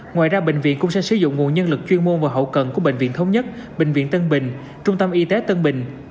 ngoài ra bệnh viện cũng sẽ sử dụng nguồn nhân lực chuyên môn và hậu cần của bệnh viện thống nhất bệnh viện tân bình trung tâm y tế tân bình